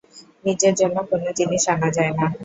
নিজের জন্য কোনো জিনিস আনা যায় না।